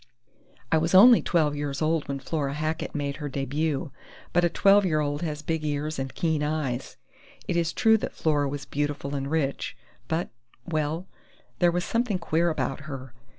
"I was only twelve years old when Flora Hackett made her debut, but a twelve year old has big ears and keen eyes. It is true that Flora was beautiful and rich, but well, there was something queer about her.